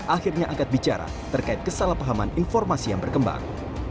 akhirnya angkat bicara terkait kesalahpahaman informasi yang berkembang